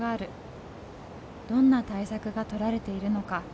どんな対策がとられているのか。